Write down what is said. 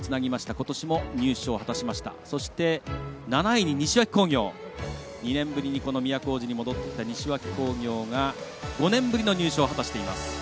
ことしも入賞を果たしました７位の西脇工業、２年ぶりにこの都大路に戻ってきた西脇工業５年ぶりの入賞を果たしています。